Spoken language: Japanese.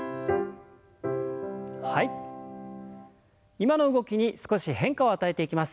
今の動きに少し変化を与えていきます。